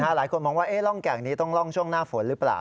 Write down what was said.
หลายคนมองว่าร่องแก่งนี้ต้องร่องช่วงหน้าฝนหรือเปล่า